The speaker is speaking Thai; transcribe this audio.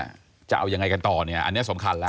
แต่อนาคตจะเอายังไงกันต่ออันนี้สำคัญแล้ว